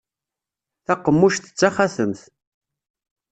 Taqemmuct d taxatemt.